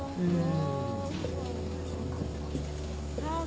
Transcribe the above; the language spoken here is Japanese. うん。